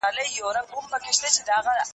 تخصص په علم کې ډېر مهم دی.